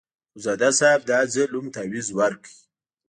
اخندزاده صاحب دا ځل هم تاویز ورکړ.